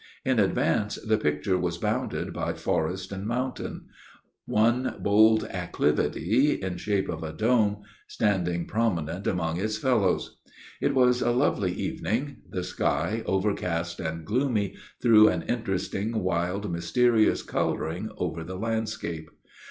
In advance the picture was bounded by forest and mountain; one bold acclivity, in shape of a dome, standing prominent among its fellows. It was a lovely evening: the sky, overcast and gloomy, threw an interesting, wild, mysterious coloring over the landscape.